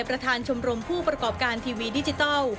ประธานชมรมผู้ประกอบการทีวีดิจิทัล